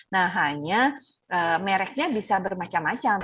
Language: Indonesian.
nah hanya mereknya bisa bermacam macam